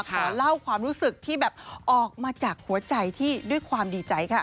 ขอเล่าความรู้สึกที่แบบออกมาจากหัวใจที่ด้วยความดีใจค่ะ